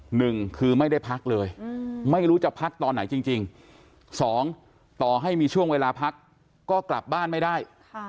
หนึ่งคือไม่ได้พักเลยไม่รู้จะพักตอนไหนจริงสองต่อให้มีช่วงเวลาพักก็กลับบ้านไม่ได้